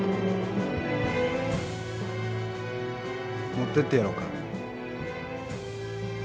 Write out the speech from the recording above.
持ってってやろうか？